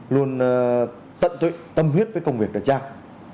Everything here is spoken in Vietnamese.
luôn tận tụy tâm huyết với công việc đàn chàng